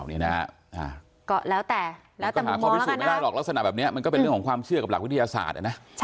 ก็หาความพิสูจน์ไม่ได้หรอกลักษณะแบบนี้มันก็เป็นเรื่องของความเชื่อกับหลักวิทยาศาสตร์